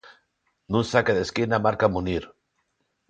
Nun saque de esquina marca Munir.